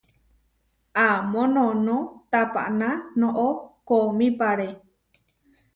Amó noʼnó tapaná noʼó koomípare.